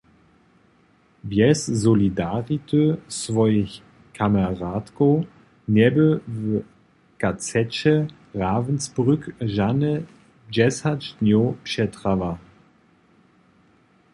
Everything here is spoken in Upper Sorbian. Bjez solidarity swojich kameradkow njeby w kaceće Ravensbrück žane dźesać dnjow přetrała.